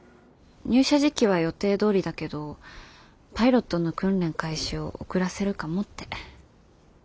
入社時期は予定どおりだけどパイロットの訓練開始を遅らせるかもって。